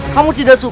kamu tidak sudah